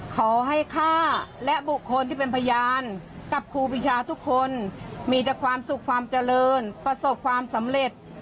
ขอให้ฆ่าและบุคคลที่เป็นพยานกับครูปีชาทุกคนมีแต่ความสุขความเจริญประสบความสำเร็จ